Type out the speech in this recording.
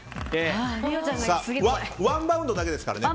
ワンバウンドだけですからね。